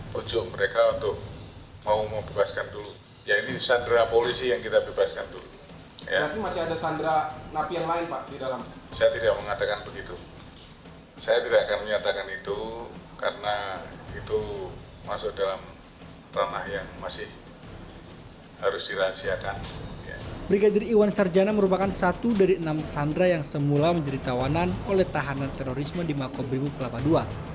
brigadir iwan sarjana merupakan satu dari enam sandra yang semula menjadi tawanan oleh tahanan terorisme di makobrimob kelapa ii